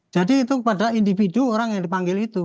jadi itu kepada individu orang yang dipanggil itu